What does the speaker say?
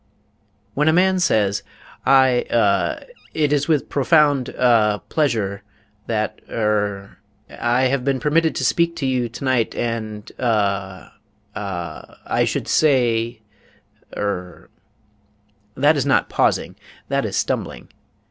When a man says: "I uh it is with profound ah pleasure that er I have been permitted to speak to you tonight and uh uh I should say er" that is not pausing; that is stumbling.